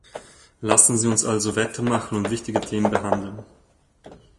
Lassen Sie uns also weitermachen und wichtige Themen behandeln.